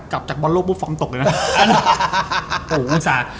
กลับจากบอลโลกฟอร์มตกเลยนะ